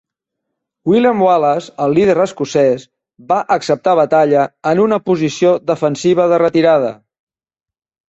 William Wallace, el líder escocès, va acceptar batalla en una posició defensiva de retirada.